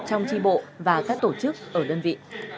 trong tri bộ và các tổ chức ở đơn vị